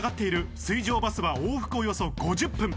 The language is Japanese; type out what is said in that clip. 水上バスは往復およそ５０分。